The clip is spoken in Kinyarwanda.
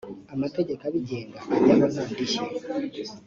amategeko abigenga ajyaho nta ndishyi